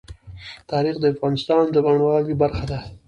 تاریخ د افغانستان د بڼوالۍ برخه ده.